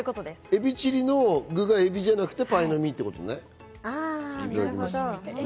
エビチリの具がエビじゃなくってパイの実ってことね。